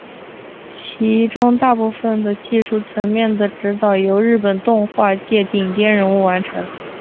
其中大部分的技术层面的指导由日本动画界顶尖人物完成。